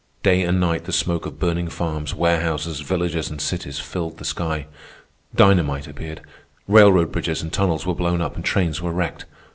Day and night the smoke of burning farms, warehouses, villages, and cities filled the sky. Dynamite appeared. Railroad bridges and tunnels were blown up and trains were wrecked.